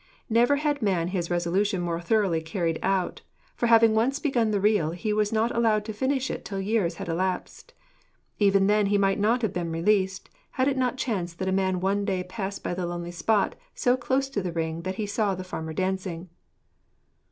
Never had man his resolution more thoroughly carried out, for having once begun the reel he was not allowed to finish it till years had elapsed. Even then he might not have been released, had it not chanced that a man one day passed by the lonely spot, so close to the ring that he saw the farmer dancing.